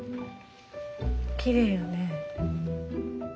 きれいやね。